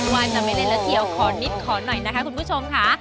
ว่าจะไม่เล่นแล้วเที่ยวขอนิดขอหน่อยนะคะคุณผู้ชมค่ะ